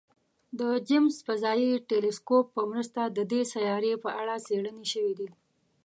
د جیمز فضايي ټیلسکوپ په مرسته د دې سیارې په اړه څېړنې شوي دي.